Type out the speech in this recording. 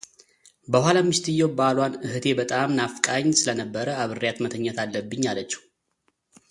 በኋላም ሚስትየው ባሏን እህቴ በጣም ናፍቃኝ ስለነበረ አብሬያት መተኛት አለብኝ አለችው፡፡